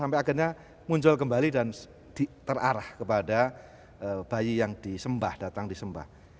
sampai akhirnya muncul kembali dan terarah kepada bayi yang disembah datang disembah